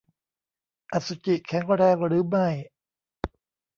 อสุจิแข็งแรงหรือไม่